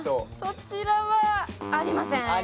そちらは、ありません。